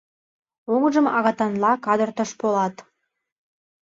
Оҥжым агытанла кадыртыш Полат.